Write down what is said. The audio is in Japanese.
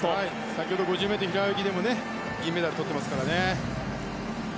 先ほど５０ｍ平泳ぎでも銀メダル取ってますからね。